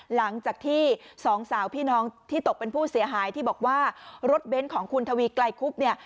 หลังจากที่สองสาวพี่น้องที่ตกเป็นผู้เสียหายที่บอกว่ารถเบ้นของคุณทวีไกลคุบเนี่ย